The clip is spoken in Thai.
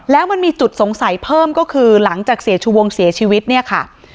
แล้วมันมีจุดสงสัยเพิ่มก็คือหลังจากเสียชูวงเสียชีวิตเนี่ยค่ะ